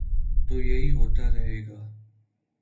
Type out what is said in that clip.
تو یہی ہو تا رہے گا۔